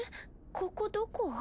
ここどこ？